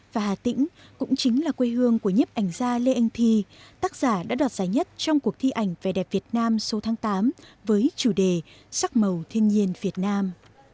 và hà tĩnh cũng chính là quê hương của nhếp ảnh gia lê anh thi tác giả đã đoạt giải nhất trong cuộc thi ảnh vẻ đẹp việt nam số tháng tám với chủ đề sắc màu thiên nhiên việt nam